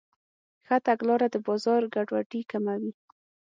ښه تګلاره د بازار ګډوډي کموي.